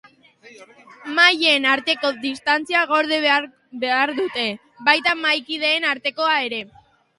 Mahaien arteko distantzia gorde behar dute, baita mahaikideen artekoa ere.